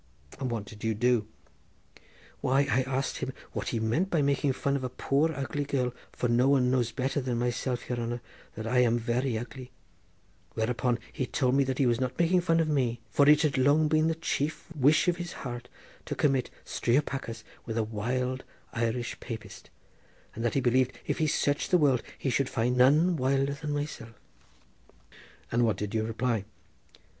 "And what did you do?" "Why I asked him what he meant by making fun of a poor ugly girl—for no one knows better than myself, yere hanner, that I am very ugly—whereupon he told me that he was not making fun of me, for it had long been the chief wish of his heart to commit striopachas with a wild Irish Papist, and that he believed if he searched the world he should find none wilder than myself." "And what did you reply?"